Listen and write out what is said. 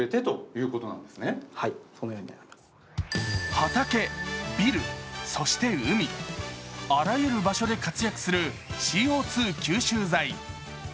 畑、ビル、そして海、あらゆる場所で活躍するＣＯ２吸収剤。